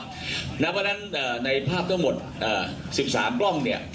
เพราะฉะนั้นในภาพทั้งหมด๑๓กล้องเนี่ย